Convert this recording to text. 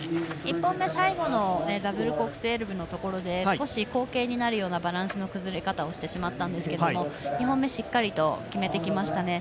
１本目、最後のダブルコーク１２６０で少し後傾になるようなバランスの崩れ方をしてしまったんですけども２本目、しっかりと決めてきました。